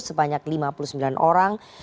sebanyak lima puluh sembilan orang